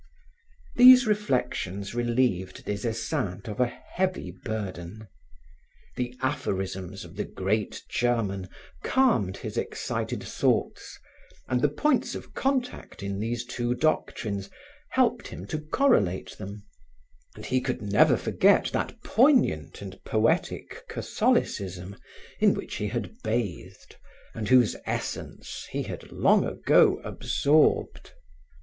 These reflections relieved Des Esseintes of a heavy burden. The aphorisms of the great German calmed his excited thoughts, and the points of contact in these two doctrines helped him to correlate them; and he could never forget that poignant and poetic Catholicism in which he had bathed, and whose essence he had long ago absorbed.